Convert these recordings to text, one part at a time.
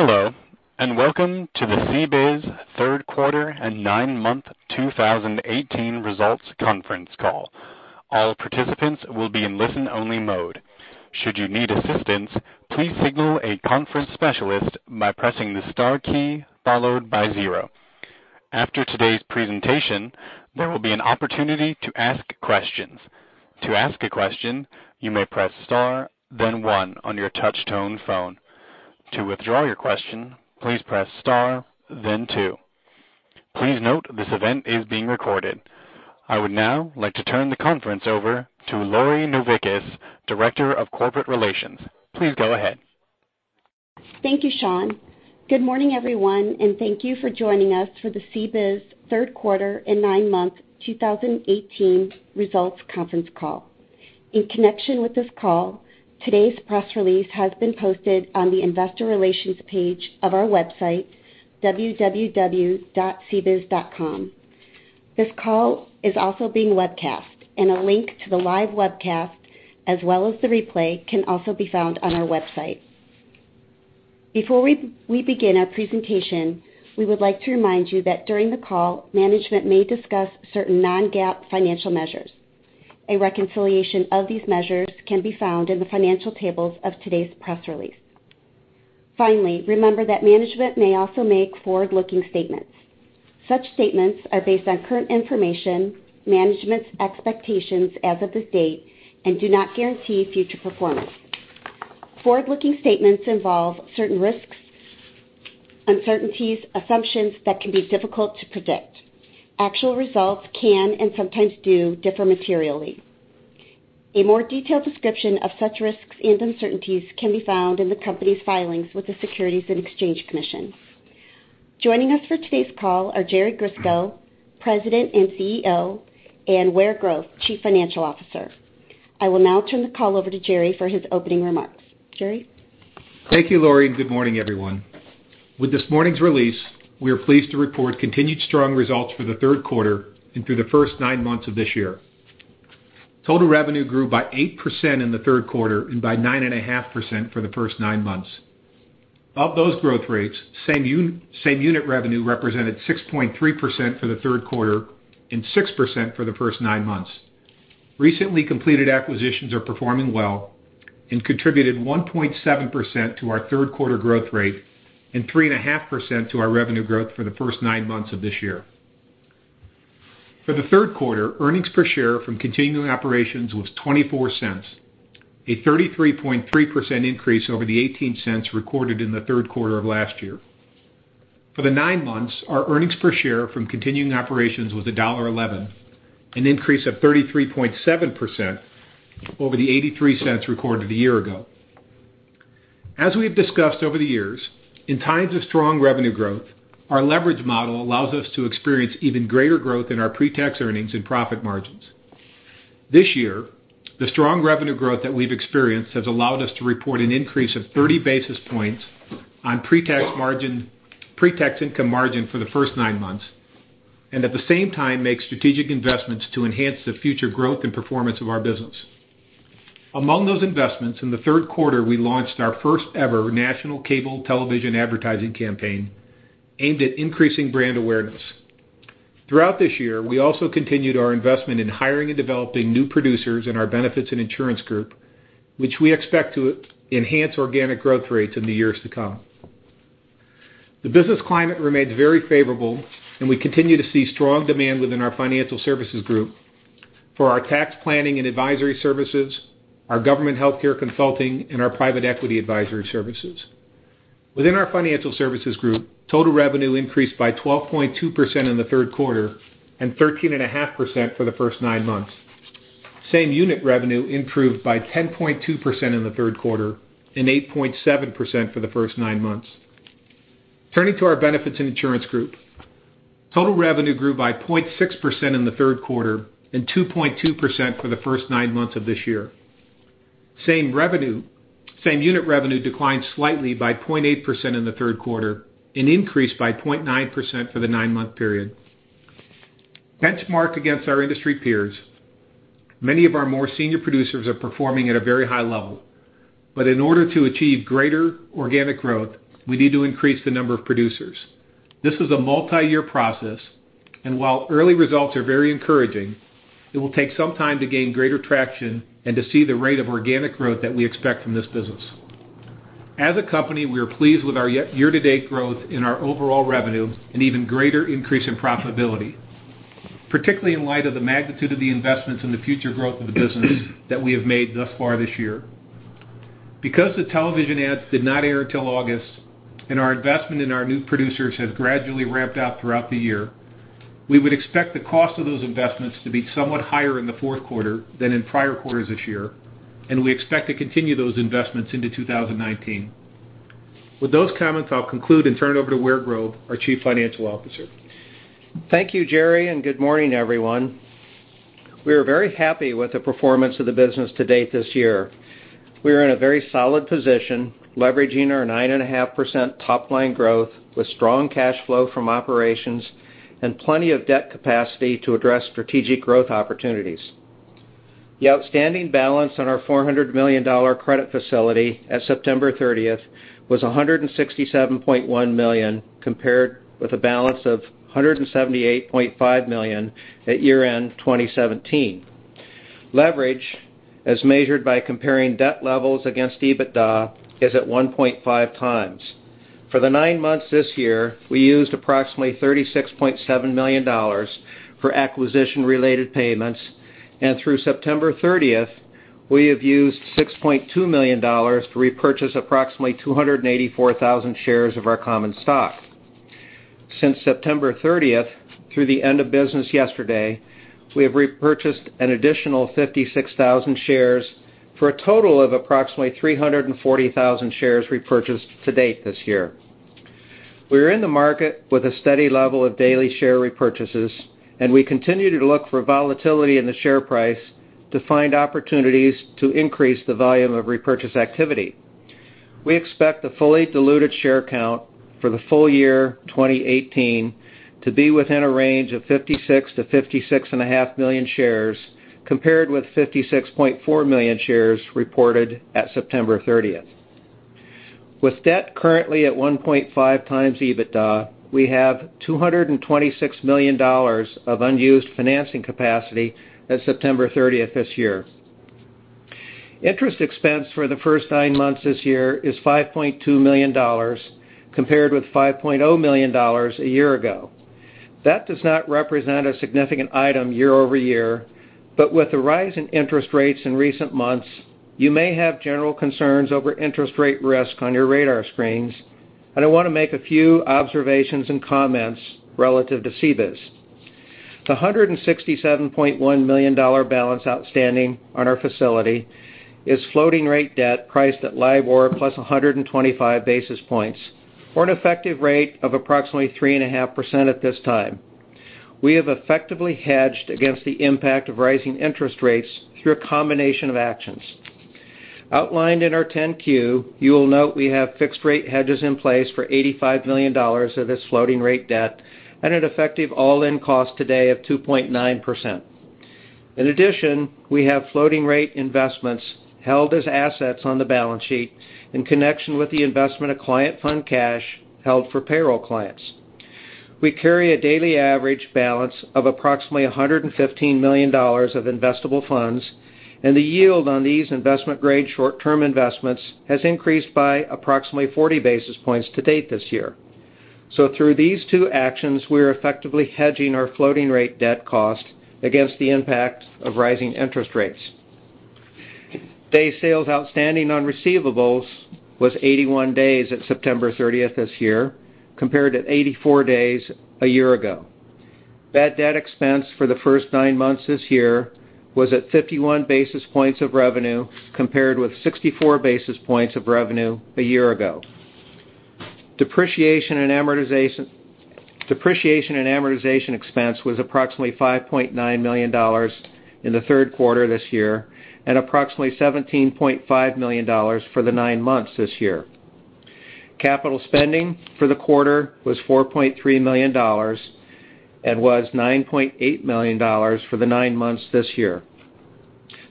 Hello, welcome to the CBIZ third quarter and nine-month 2018 results conference call. All participants will be in listen-only mode. Should you need assistance, please signal a conference specialist by pressing the star key followed by zero. After today's presentation, there will be an opportunity to ask questions. To ask a question, you may press star, then one on your touch-tone phone. To withdraw your question, please press star, then two. Please note this event is being recorded. I would now like to turn the conference over to Lori Novickis, Director of Corporate Relations. Please go ahead. Thank you, Sean. Good morning, everyone. Thank you for joining us for the CBIZ third quarter and nine-month 2018 results conference call. In connection with this call, today's press release has been posted on the investor relations page of our website, www.cbiz.com. This call is also being webcast. A link to the live webcast, as well as the replay, can also be found on our website. Before we begin our presentation, we would like to remind you that during the call, management may discuss certain non-GAAP financial measures. A reconciliation of these measures can be found in the financial tables of today's press release. Remember that management may also make forward-looking statements. Such statements are based on current information, management's expectations as of this date, and do not guarantee future performance. Forward-looking statements involve certain risks, uncertainties, assumptions that can be difficult to predict. Actual results can and sometimes do differ materially. A more detailed description of such risks and uncertainties can be found in the company's filings with the Securities and Exchange Commission. Joining us for today's call are Jerry Grisko, President and CEO, and Ware Grove, Chief Financial Officer. I will now turn the call over to Jerry for his opening remarks. Jerry? Thank you, Lori. Good morning, everyone. With this morning's release, we are pleased to report continued strong results for the third quarter and through the first nine months of this year. Total revenue grew by 8% in the third quarter and by 9.5% for the first nine months. Of those growth rates, same unit revenue represented 6.3% for the third quarter and 6% for the first nine months. Recently completed acquisitions are performing well and contributed 1.7% to our third quarter growth rate and 3.5% to our revenue growth for the first nine months of this year. For the third quarter, earnings per share from continuing operations was $0.24, a 33.3% increase over the $0.18 recorded in the third quarter of last year. For the nine months, our earnings per share from continuing operations was $1.11, an increase of 33.7% over the $0.83 recorded a year ago. As we have discussed over the years, in times of strong revenue growth, our leverage model allows us to experience even greater growth in our pre-tax earnings and profit margins. This year, the strong revenue growth that we've experienced has allowed us to report an increase of 30 basis points on pre-tax income margin for the first nine months, and at the same time, make strategic investments to enhance the future growth and performance of our business. Among those investments, in the third quarter, we launched our first-ever national cable television advertising campaign aimed at increasing brand awareness. Throughout this year, we also continued our investment in hiring and developing new producers in our benefits and insurance group, which we expect to enhance organic growth rates in the years to come. The business climate remains very favorable, and we continue to see strong demand within our financial services group for our tax planning and advisory services, our government healthcare consulting, and our private equity advisory services. Within our financial services group, total revenue increased by 12.2% in the third quarter and 13.5% for the first nine months. Same unit revenue improved by 10.2% in the third quarter and 8.7% for the first nine months. Turning to our benefits and insurance group, total revenue grew by 0.6% in the third quarter and 2.2% for the first nine months of this year. Same unit revenue declined slightly by 0.8% in the third quarter and increased by 0.9% for the nine-month period. Benchmarked against our industry peers, many of our more senior producers are performing at a very high level. In order to achieve greater organic growth, we need to increase the number of producers. This is a multi-year process, and while early results are very encouraging, it will take some time to gain greater traction and to see the rate of organic growth that we expect from this business. As a company, we are pleased with our year-to-date growth in our overall revenue and even greater increase in profitability, particularly in light of the magnitude of the investments in the future growth of the business that we have made thus far this year. Because the television ads did not air till August and our investment in our new producers has gradually ramped up throughout the year, we would expect the cost of those investments to be somewhat higher in the fourth quarter than in prior quarters this year, and we expect to continue those investments into 2019. With those comments, I'll conclude and turn it over to Ware Grove, our Chief Financial Officer. Thank you, Jerry, and good morning, everyone. We are very happy with the performance of the business to date this year. We are in a very solid position, leveraging our 9.5% top-line growth with strong cash flow from operations and plenty of debt capacity to address strategic growth opportunities The outstanding balance on our $400 million credit facility at September 30th was $167.1 million, compared with a balance of $178.5 million at year-end 2017. Leverage, as measured by comparing debt levels against EBITDA, is at 1.5 times. For the nine months this year, we used approximately $36.7 million for acquisition-related payments. Through September 30th, we have used $6.2 million to repurchase approximately 284,000 shares of our common stock. Since September 30th, through the end of business yesterday, we have repurchased an additional 56,000 shares for a total of approximately 340,000 shares repurchased to date this year. We are in the market with a steady level of daily share repurchases. We continue to look for volatility in the share price to find opportunities to increase the volume of repurchase activity. We expect the fully diluted share count for the full year 2018 to be within a range of 56 million-56.5 million shares, compared with 56.4 million shares reported at September 30th. With debt currently at 1.5 times EBITDA, we have $226 million of unused financing capacity at September 30th this year. Interest expense for the first nine months this year is $5.2 million compared with $5.0 million a year ago. That does not represent a significant item year-over-year, but with the rise in interest rates in recent months, you may have general concerns over interest rate risk on your radar screens. I want to make a few observations and comments relative to CBIZ. The $167.1 million balance outstanding on our facility is floating-rate debt priced at LIBOR plus 125 basis points or an effective rate of approximately 3.5% at this time. We have effectively hedged against the impact of rising interest rates through a combination of actions. Outlined in our 10-Q, you will note we have fixed-rate hedges in place for $85 million of this floating rate debt at an effective all-in cost today of 2.9%. In addition, we have floating rate investments held as assets on the balance sheet in connection with the investment of client fund cash held for payroll clients. We carry a daily average balance of approximately $115 million of investable funds. The yield on these investment-grade short-term investments has increased by approximately 40 basis points to date this year. Through these two actions, we are effectively hedging our floating rate debt cost against the impact of rising interest rates. Days sales outstanding on receivables was 81 days at September 30th this year, compared to 84 days a year ago. Bad debt expense for the first nine months this year was at 51 basis points of revenue, compared with 64 basis points of revenue a year ago. Depreciation and amortization expense was approximately $5.9 million in the third quarter this year and approximately $17.5 million for the nine months this year. Capital spending for the quarter was $4.3 million and was $9.8 million for the nine months this year.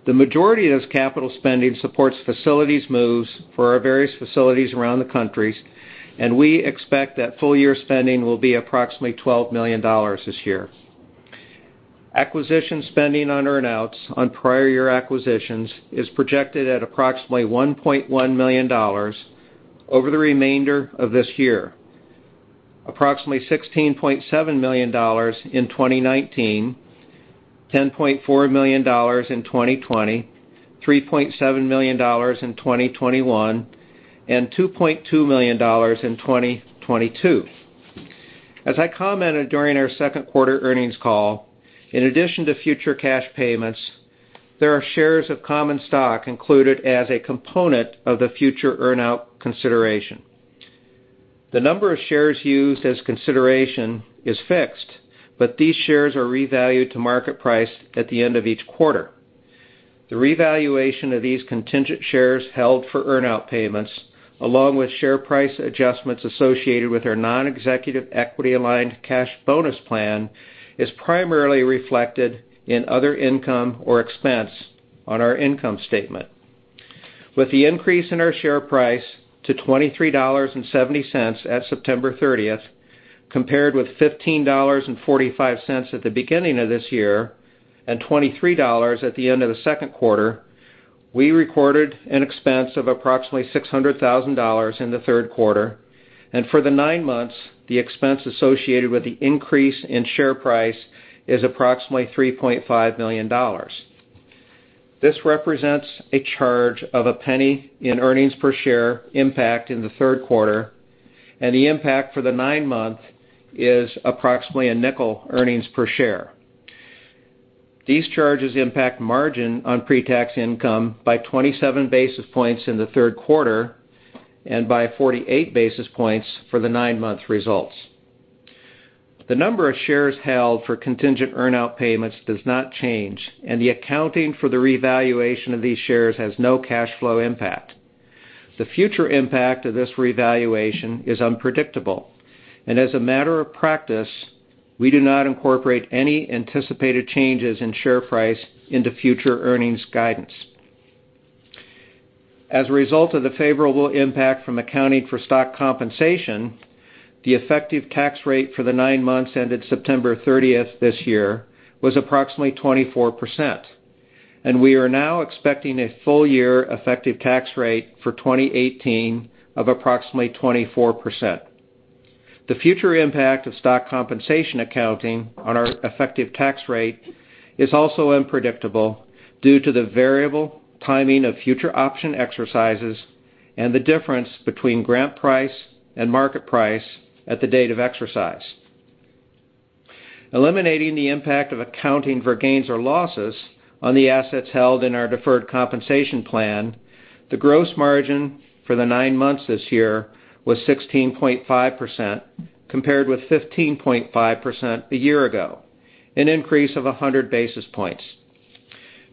The majority of this capital spending supports facilities moves for our various facilities around the countries, and we expect that full-year spending will be approximately $12 million this year. Acquisition spending on earn-outs on prior year acquisitions is projected at approximately $1.1 million over the remainder of this year. Approximately $16.7 million in 2019, $10.4 million in 2020, $3.7 million in 2021, and $2.2 million in 2022. As I commented during our second quarter earnings call, in addition to future cash payments, there are shares of common stock included as a component of the future earn-out consideration. The number of shares used as consideration is fixed, but these shares are revalued to market price at the end of each quarter. The revaluation of these contingent shares held for earn-out payments, along with share price adjustments associated with our non-executive equity-aligned cash bonus plan, is primarily reflected in other income or expense on our income statement. With the increase in our share price to $23.70 at September 30th, compared with $15.45 at the beginning of this year and $23 at the end of the second quarter, we recorded an expense of approximately $600,000 in the third quarter. For the nine months, the expense associated with the increase in share price is approximately $3.5 million. This represents a charge of a penny in earnings per share impact in the third quarter, and the impact for the nine months is approximately a nickel earnings per share. These charges impact margin on pre-tax income by 27 basis points in the third quarter and by 48 basis points for the nine-month results. The number of shares held for contingent earn-out payments does not change, and the accounting for the revaluation of these shares has no cash flow impact. The future impact of this revaluation is unpredictable, and as a matter of practice, we do not incorporate any anticipated changes in share price into future earnings guidance. As a result of the favorable impact from accounting for stock compensation, the effective tax rate for the nine months ended September 30th this year was approximately 24%, and we are now expecting a full-year effective tax rate for 2018 of approximately 24%. The future impact of stock compensation accounting on our effective tax rate is also unpredictable due to the variable timing of future option exercises and the difference between grant price and market price at the date of exercise. Eliminating the impact of accounting for gains or losses on the assets held in our deferred compensation plan, the gross margin for the nine months this year was 16.5%, compared with 15.5% a year ago, an increase of 100 basis points.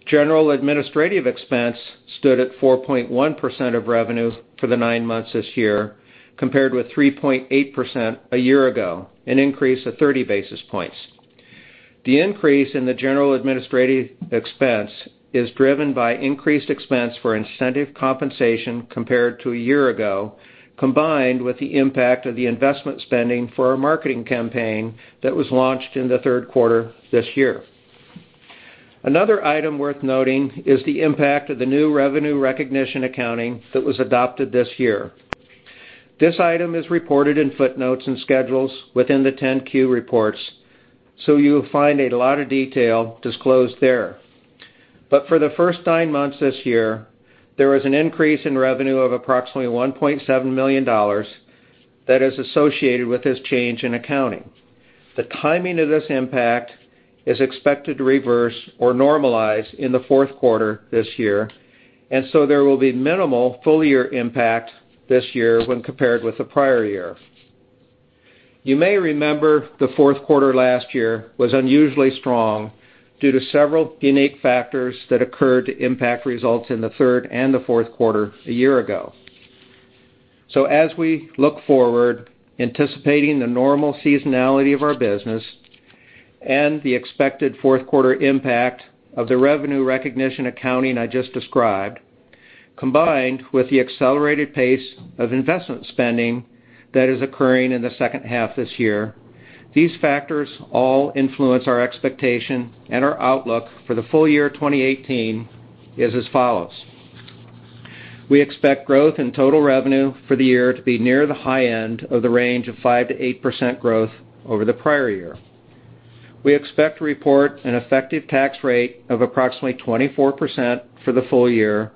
General administrative expense stood at 4.1% of revenue for the nine months this year, compared with 3.8% a year ago, an increase of 30 basis points. The increase in the general administrative expense is driven by increased expense for incentive compensation compared to a year ago, combined with the impact of the investment spending for our marketing campaign that was launched in the third quarter this year. Another item worth noting is the impact of the new revenue recognition accounting that was adopted this year. This item is reported in footnotes and schedules within the 10-Q reports, you will find a lot of detail disclosed there. For the first nine months this year, there was an increase in revenue of approximately $1.7 million that is associated with this change in accounting. The timing of this impact is expected to reverse or normalize in the fourth quarter this year, there will be minimal full-year impact this year when compared with the prior year. You may remember the fourth quarter last year was unusually strong due to several unique factors that occurred to impact results in the third and the fourth quarter a year ago. As we look forward, anticipating the normal seasonality of our business and the expected fourth quarter impact of the revenue recognition accounting I just described, combined with the accelerated pace of investment spending that is occurring in the second half this year, these factors all influence our expectation and our outlook for the full year 2018 is as follows. We expect growth in total revenue for the year to be near the high end of the range of 5%-8% growth over the prior year. We expect to report an effective tax rate of approximately 24% for the full year,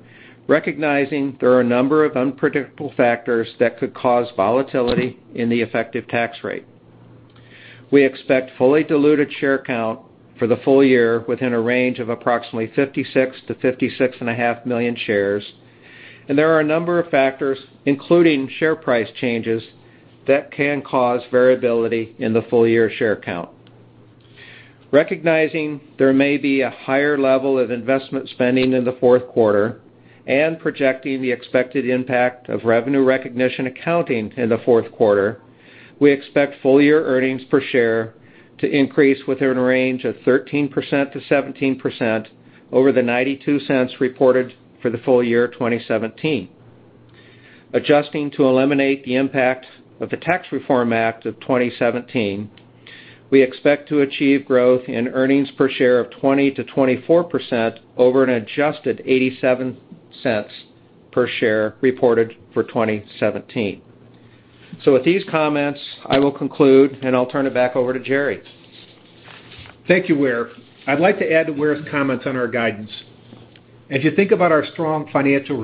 recognizing there are a number of unpredictable factors that could cause volatility in the effective tax rate. We expect fully diluted share count for the full year within a range of approximately 56 million to 56.5 million shares, there are a number of factors, including share price changes, that can cause variability in the full-year share count. Recognizing there may be a higher level of investment spending in the fourth quarter and projecting the expected impact of revenue recognition accounting in the fourth quarter, we expect full-year earnings per share to increase within a range of 13%-17% over the $0.92 reported for the full year 2017. Adjusting to eliminate the impact of the Tax Cuts and Jobs Act of 2017, we expect to achieve growth in earnings per share of 20%-24% over an adjusted $0.87 per share reported for 2017. With these comments, I will conclude, and I'll turn it back over to Jerry. Thank you, Ware. I'd like to add to Ware's comments on our guidance. As you think about our strong financial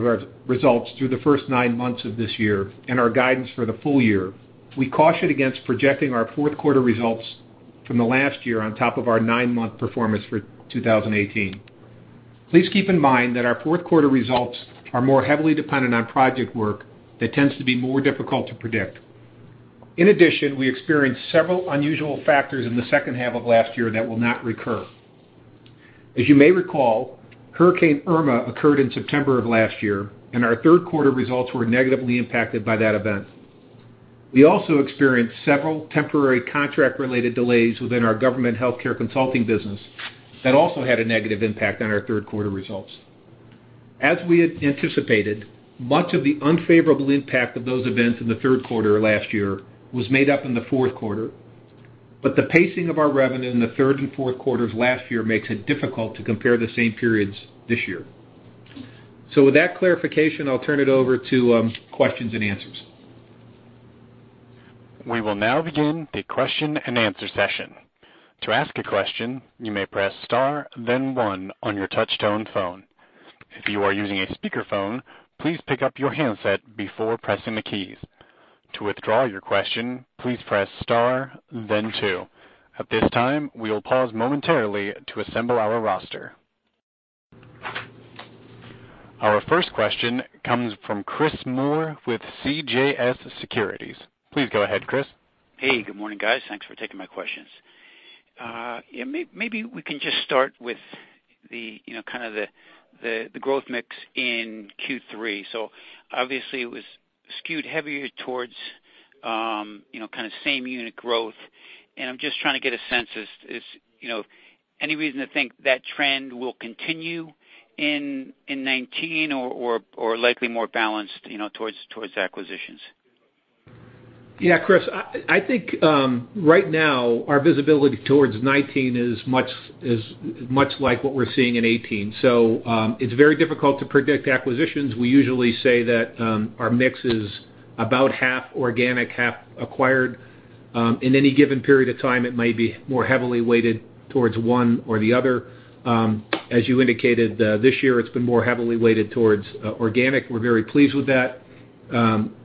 results through the first nine months of this year and our guidance for the full year, we caution against projecting our fourth quarter results from the last year on top of our nine-month performance for 2018. Please keep in mind that our fourth quarter results are more heavily dependent on project work that tends to be more difficult to predict. We experienced several unusual factors in the second half of last year that will not recur. You may recall, Hurricane Irma occurred in September of last year, our third quarter results were negatively impacted by that event. We also experienced several temporary contract-related delays within our government healthcare consulting business that also had a negative impact on our third quarter results. As we had anticipated, much of the unfavorable impact of those events in the third quarter last year was made up in the fourth quarter, but the pacing of our revenue in the third and fourth quarters last year makes it difficult to compare the same periods this year. With that clarification, I'll turn it over to questions and answers. We will now begin the question and answer session. To ask a question, you may press star then one on your touchtone phone. If you are using a speakerphone, please pick up your handset before pressing the keys. To withdraw your question, please press star then two. At this time, we will pause momentarily to assemble our roster. Our first question comes from Christopher Moore with CJS Securities. Please go ahead, Chris. Hey, good morning, guys. Thanks for taking my questions. Yeah. Maybe we can just start with the growth mix in Q3. Obviously, it was skewed heavier towards same-unit growth. I'm just trying to get a sense, is any reason to think that trend will continue in 2019 or likely more balanced towards acquisitions? Chris, I think, right now our visibility towards 2019 is much like what we're seeing in 2018. It's very difficult to predict acquisitions. We usually say that our mix is about half organic, half acquired. In any given period of time, it may be more heavily weighted towards one or the other. As you indicated, this year it's been more heavily weighted towards organic. We're very pleased with that.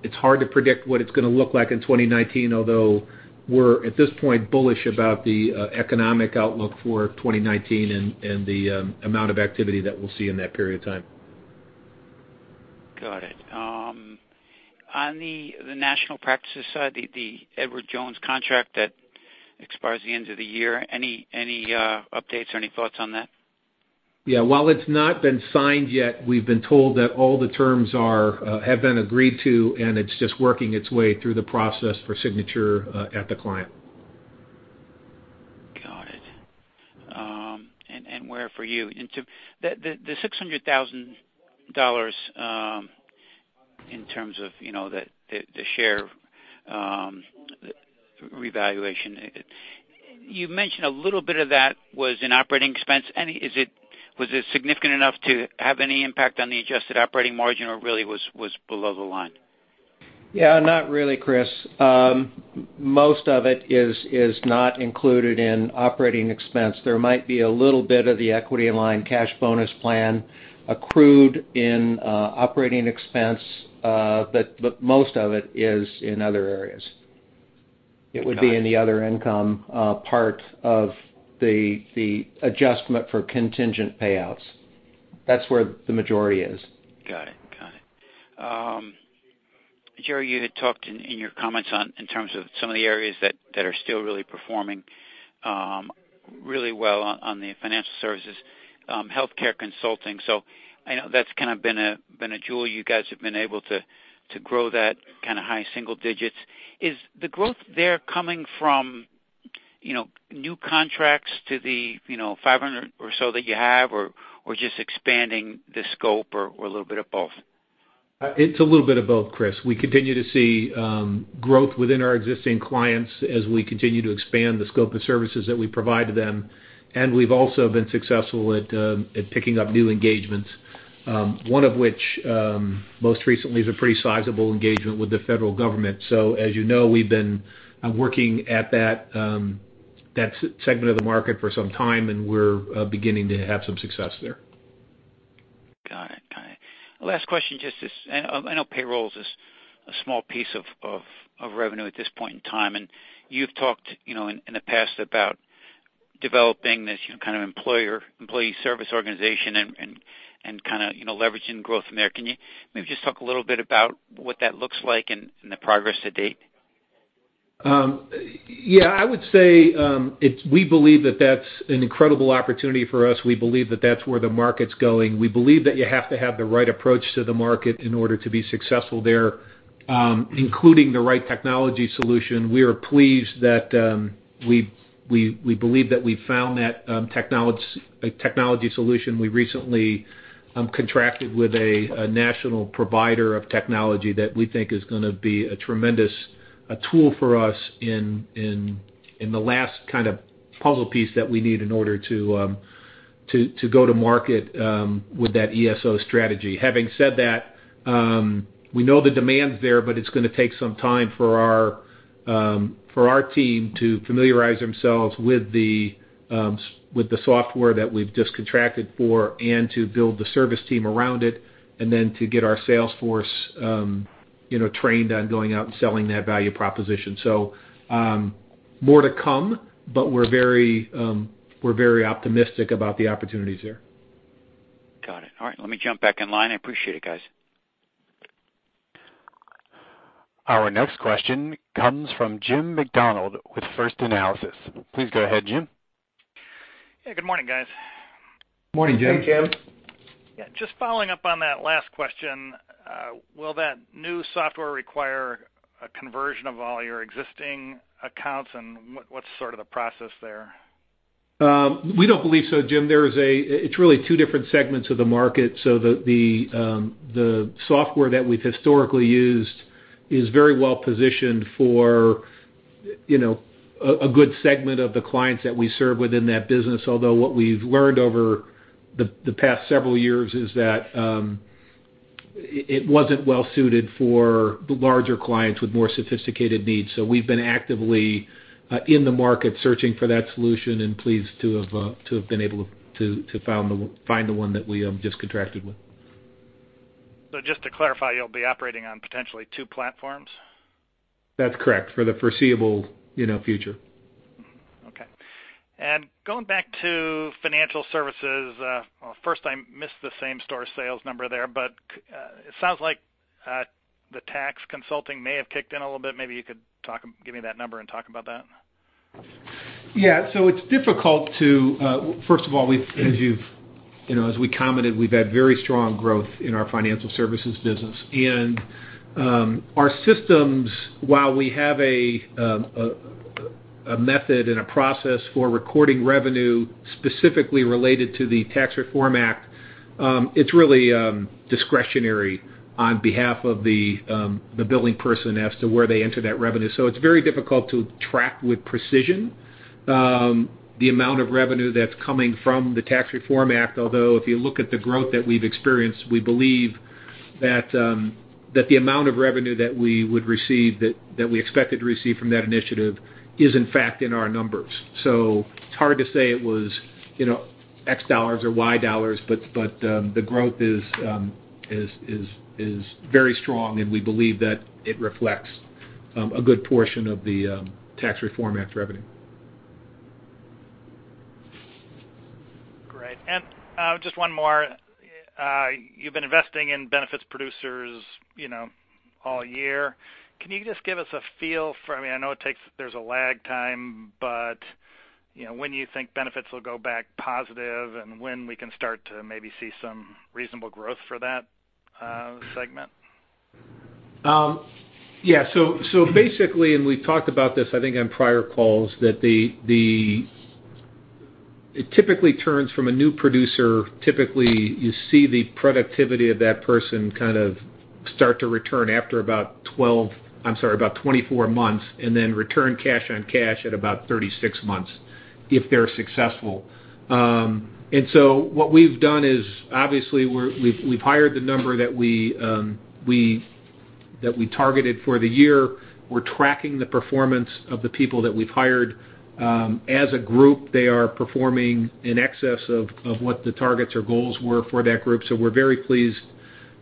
It's hard to predict what it's going to look like in 2019, although we're, at this point, bullish about the economic outlook for 2019 and the amount of activity that we'll see in that period of time. Got it. On the national practices side, the Edward Jones contract that expires the end of the year, any updates or any thoughts on that? Yeah. While it's not been signed yet, we've been told that all the terms have been agreed to. It's just working its way through the process for signature at the client. Got it, and Ware here for you into the $600,000 in terms of the share revaluation, you mentioned a little bit of that was in operating expense. Was it significant enough to have any impact on the adjusted operating margin, or really was below the line? Yeah, not really, Chris. Most of it is not included in operating expense. There might be a little bit of the equity-aligned cash bonus plan accrued in operating expense, but most of it is in other areas. Got it. It would be in the other income part of the adjustment for contingent payouts. That's where the majority is. Got it. Jerry, you had talked in your comments on, in terms of some of the areas that are still really performing really well on the financial services, healthcare consulting. I know that's been a jewel you guys have been able to grow that high single digits. Is the growth there coming from new contracts to the 500 or so that you have, or just expanding the scope, or a little bit of both? It's a little bit of both, Chris. We continue to see growth within our existing clients as we continue to expand the scope of services that we provide to them, and we've also been successful at picking up new engagements. One of which, most recently, is a pretty sizable engagement with the federal government. As you know, we've been working at that segment of the market for some time, and we're beginning to have some success there. Got it. Last question, just this, I know payroll is a small piece of revenue at this point in time, and you've talked in the past about developing this kind of employee service organization and leveraging growth from there. Can you maybe just talk a little bit about what that looks like and the progress to date? I would say, we believe that that's an incredible opportunity for us. We believe that that's where the market's going. We believe that you have to have the right approach to the market in order to be successful there, including the right technology solution. We are pleased that we believe that we've found that technology solution. We recently contracted with a national provider of technology that we think is going to be a tremendous tool for us in the last kind of puzzle piece that we need in order to go to market with that ESO strategy. Having said that, we know the demand's there, it's going to take some time for our team to familiarize themselves with the software that we've just contracted for and to build the service team around it, to get our sales force trained on going out and selling that value proposition. More to come, but we're very optimistic about the opportunities there. Got it. All right. Let me jump back in line. I appreciate it, guys. Our next question comes from Jim Macdonald with First Analysis. Please go ahead, Jim. Yeah. Good morning, guys. Morning, Jim. Morning, Jim. Yeah. Just following up on that last question, will that new software require a conversion of all your existing accounts? What's sort of the process there? We don't believe so, Jim. It's really two different segments of the market. The software that we've historically used is very well positioned for a good segment of the clients that we serve within that business. Although what we've learned over the past several years is that it wasn't well suited for the larger clients with more sophisticated needs. We've been actively in the market searching for that solution and pleased to have been able to find the one that we just contracted with. Just to clarify, you'll be operating on potentially two platforms? That's correct, for the foreseeable future. Okay. Going back to financial services. First I missed the same-store sales number there, but it sounds like the Tax consulting may have kicked in a little bit. Maybe you could give me that number and talk about that. First of all, as we commented, we've had very strong growth in our financial services business. Our systems, while we have a method and a process for recording revenue specifically related to the Tax Reform Act, it's really discretionary on behalf of the billing person as to where they enter that revenue. It's very difficult to track with precision the amount of revenue that's coming from the Tax Reform Act, although if you look at the growth that we've experienced, we believe that the amount of revenue that we expected to receive from that initiative is in fact in our numbers. It's hard to say it was X dollars or Y dollars, but the growth is very strong, and we believe that it reflects a good portion of the Tax Reform Act revenue. Great. Just one more. You've been investing in benefits producers all year. Can you just give us a feel for, I know there's a lag time, but when you think benefits will go back positive, and when we can start to maybe see some reasonable growth for that segment? Yeah. Basically, and we've talked about this, I think, on prior calls, that it typically turns from a new producer. Typically, you see the productivity of that person kind of start to return after about 24 months, and then return cash on cash at about 36 months, if they're successful. What we've done is, obviously, we've hired the number that we targeted for the year. We're tracking the performance of the people that we've hired. As a group, they are performing in excess of what the targets or goals were for that group. We're very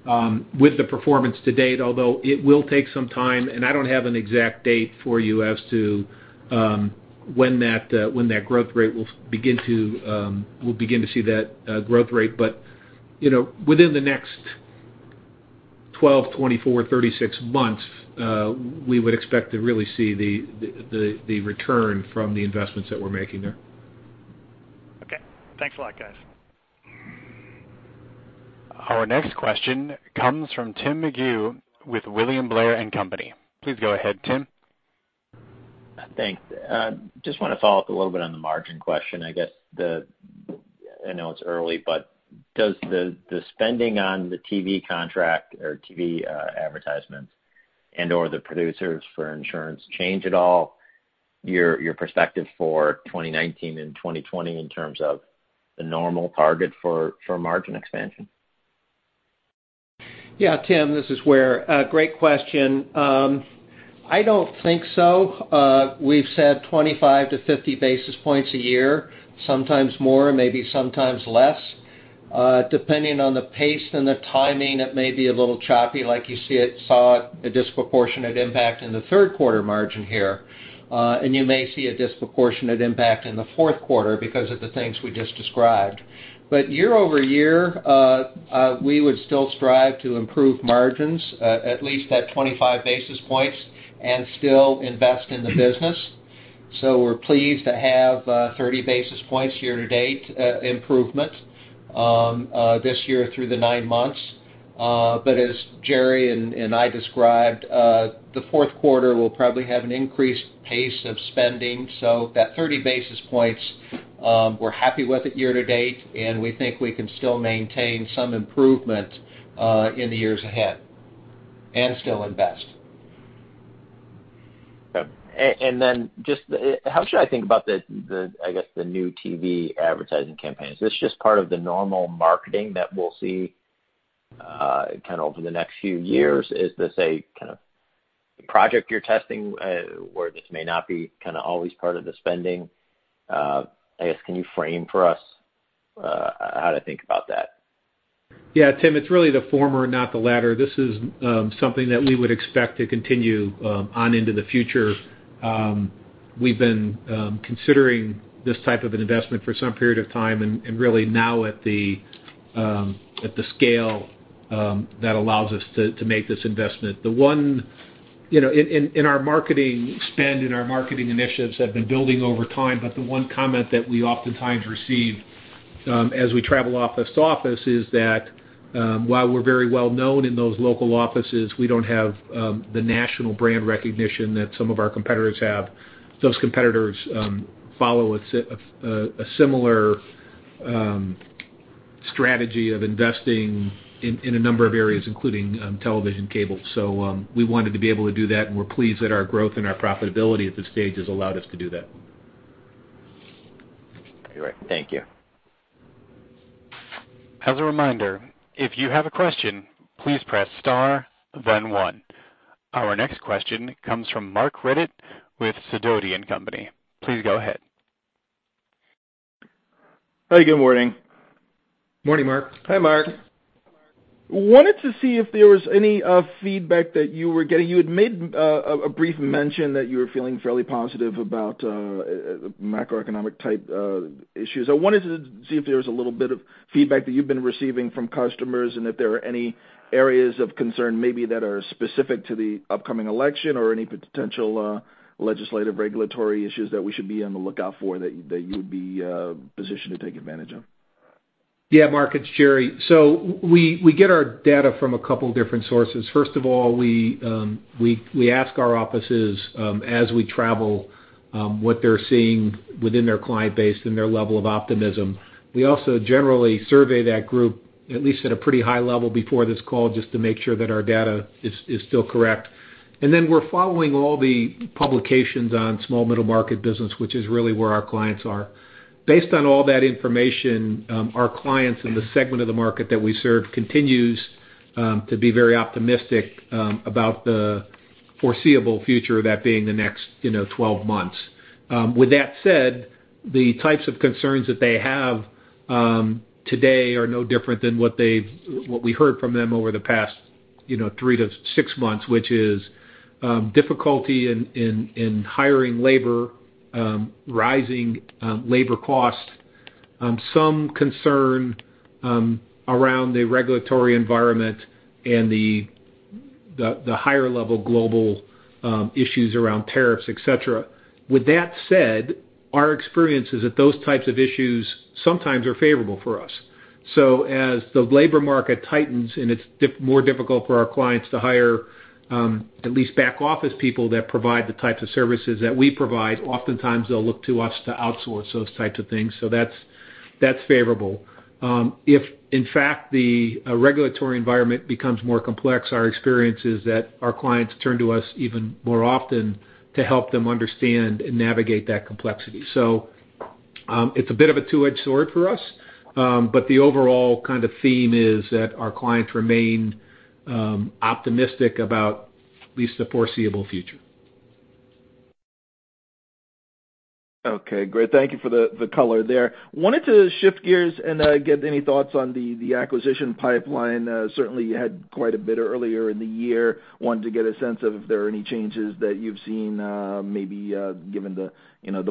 pleased with the performance to date, although it will take some time. I don't have an exact date for you as to when we'll begin to see that growth rate. Within the next 12, 24, 36 months, we would expect to really see the return from the investments that we're making there. Okay. Thanks a lot, guys. Our next question comes from Tim McGeough with William Blair & Company. Please go ahead, Tim. Thanks. Just want to follow up a little bit on the margin question. I know it's early, does the spending on the TV contract or TV advertisements and/or the producers for insurance change at all your perspective for 2019 and 2020 in terms of the normal target for margin expansion? Yeah, Tim, this is Ware. Great question. I don't think so. We've said 25-50 basis points a year, sometimes more, maybe sometimes less. Depending on the pace and the timing, it may be a little choppy, like you saw a disproportionate impact in the third quarter margin here. You may see a disproportionate impact in the fourth quarter because of the things we just described. Year-over-year, we would still strive to improve margins at least at 25 basis points and still invest in the business. We're pleased to have 30 basis points year-to-date improvement this year through the nine months. As Jerry and I described, the fourth quarter will probably have an increased pace of spending. That 30 basis points, we're happy with it year-to-date, and we think we can still maintain some improvement in the years ahead and still invest. Just how should I think about, I guess, the new TV advertising campaigns? Is this just part of the normal marketing that we'll see kind of over the next few years? Is this a kind of project you're testing where this may not be kind of always part of the spending? I guess, can you frame for us how to think about that? Yeah, Tim, it's really the former, not the latter. This is something that we would expect to continue on into the future. We've been considering this type of an investment for some period of time, and really now at the scale that allows us to make this investment. In our marketing spend and our marketing initiatives have been building over time, but the one comment that we oftentimes receive as we travel office to office is that while we're very well known in those local offices, we don't have the national brand recognition that some of our competitors have. Those competitors follow a similar strategy of investing in a number of areas, including television cable. We wanted to be able to do that, and we're pleased that our growth and our profitability at this stage has allowed us to do that. All right. Thank you. As a reminder, if you have a question, please press star then one. Our next question comes from Marc Riddick with Sidoti & Company. Please go ahead. Hey, good morning. Morning, Marc. Hi, Marc. Wanted to see if there was any feedback that you were getting. You had made a brief mention that you were feeling fairly positive about macroeconomic type issues. I wanted to see if there was a little bit of feedback that you've been receiving from customers, and if there are any areas of concern maybe that are specific to the upcoming election or any potential legislative regulatory issues that we should be on the lookout for that you would be positioned to take advantage of. Yeah, Marc, it's Jerry. We get our data from a couple different sources. First of all, we ask our offices, as we travel, what they're seeing within their client base and their level of optimism. We also generally survey that group, at least at a pretty high level before this call, just to make sure that our data is still correct. We're following all the publications on small middle-market business, which is really where our clients are. Based on all that information, our clients in the segment of the market that we serve continues to be very optimistic about the foreseeable future, that being the next 12 months. With that said, the types of concerns that they have today are no different than what we heard from them over the past three to six months, which is difficulty in hiring labor, rising labor cost, some concern around the regulatory environment and the higher level global issues around tariffs, et cetera. With that said, our experience is that those types of issues sometimes are favorable for us. As the labor market tightens and it's more difficult for our clients to hire at least back office people that provide the types of services that we provide, oftentimes they'll look to us to outsource those types of things. That's favorable. If, in fact, the regulatory environment becomes more complex, our experience is that our clients turn to us even more often to help them understand and navigate that complexity. It's a bit of a two-edged sword for us. The overall kind of theme is that our clients remain optimistic about at least the foreseeable future. Okay, great. Thank you for the color there. I wanted to shift gears and get any thoughts on the acquisition pipeline. Certainly, you had quite a bit earlier in the year. I wanted to get a sense of if there are any changes that you've seen maybe given the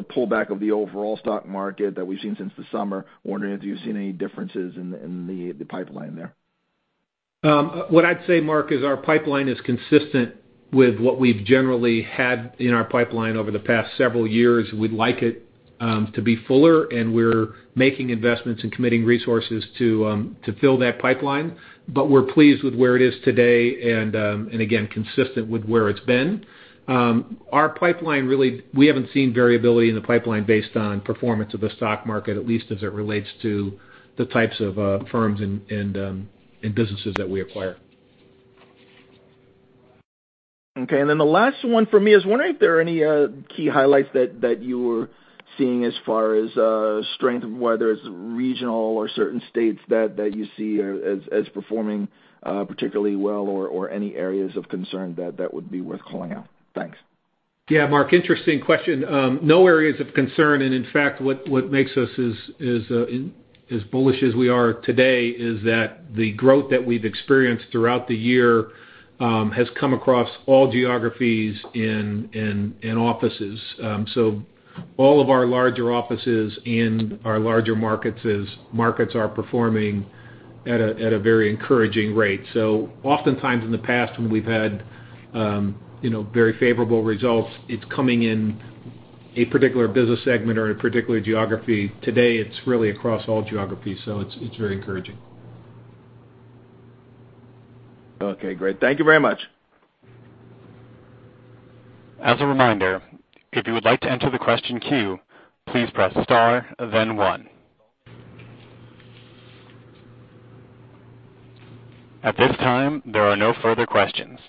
pullback of the overall stock market that we've seen since the summer. I'm wondering if you've seen any differences in the pipeline there. What I'd say, Marc, is our pipeline is consistent with what we've generally had in our pipeline over the past several years. We'd like it to be fuller, we're making investments and committing resources to fill that pipeline. We're pleased with where it is today, and again, consistent with where it's been. Our pipeline, really, we haven't seen variability in the pipeline based on performance of the stock market, at least as it relates to the types of firms and businesses that we acquire. Okay, the last one for me is wondering if there are any key highlights that you're seeing as far as strength of whether it's regional or certain states that you see as performing particularly well or any areas of concern that would be worth calling out. Thanks. Yeah, Marc, interesting question. No areas of concern, in fact, what makes us as bullish as we are today is that the growth that we've experienced throughout the year has come across all geographies and offices. All of our larger offices and our larger markets are performing at a very encouraging rate. Oftentimes in the past when we've had very favorable results, it's coming in a particular business segment or a particular geography. Today, it's really across all geographies, it's very encouraging. Okay, great. Thank you very much. As a reminder, if you would like to enter the question queue, please press star, then one. At this time, there are no further questions.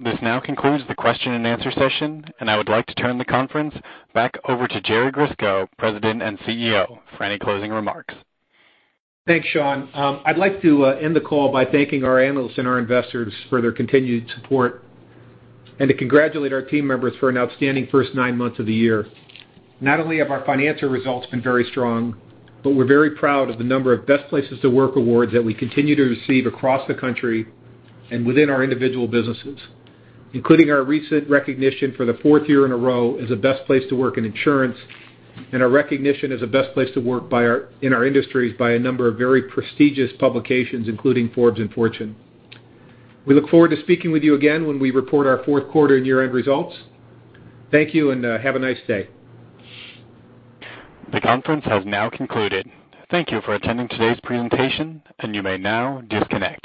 This now concludes the question and answer session. I would like to turn the conference back over to Jerry Grisko, President and CEO, for any closing remarks. Thanks, Sean. I'd like to end the call by thanking our analysts and our investors for their continued support and to congratulate our team members for an outstanding first nine months of the year. Not only have our financial results been very strong, but we're very proud of the number of Best Places to Work awards that we continue to receive across the country and within our individual businesses, including our recent recognition for the fourth year in a row as a Best Place to Work in Insurance, and our recognition as a Best Place to Work in our industries by a number of very prestigious publications, including Forbes and Fortune. We look forward to speaking with you again when we report our fourth quarter and year-end results. Thank you, and have a nice day. The conference has now concluded. Thank you for attending today's presentation, and you may now disconnect.